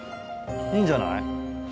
いいんじゃない？